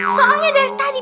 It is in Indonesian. soalnya dari tadi